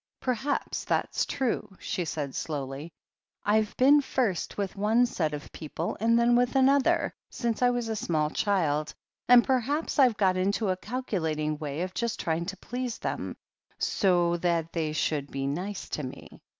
"Perhaps that's true," she said slowly. "I've been first with one set of people, and then with another, since I was a small child, and perhaps Fve got into a calculating way of just trying to please them, so that they should be nice to me.